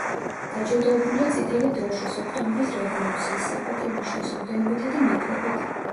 დაჯილდოებულია წითელი დროშის, ოქტომბრის რევოლუციის, „საპატიო ნიშნის“ ორდენებითა და მედლებით.